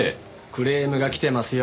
クレームが来てますよ。